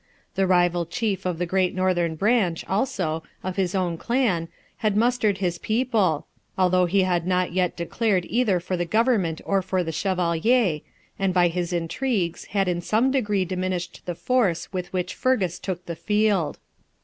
The rival chief of the great northern branch, also, of his own clan had mustered his people, although he had not yet declared either for the government or for the Chevalier, and by his intrigues had in some degree diminished the force with which Fergus took the field.